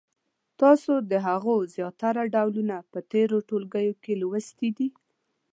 تاسو د هغو زیاتره ډولونه په تېرو ټولګیو کې لوستي دي.